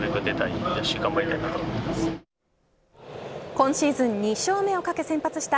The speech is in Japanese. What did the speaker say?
今シーズン２勝目を駆け先発した